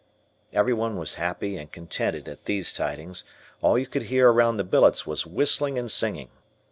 Everyone was happy and contented at these tidings; all you could hear around the billets was whistling and singing.